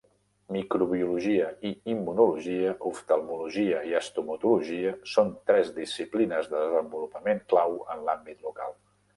Microbiologia i Immunologia, Oftalmologia i Estomatologia són tres disciplines de desenvolupament clau en l'àmbit local.